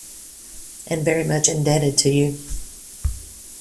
And very much indebted to you.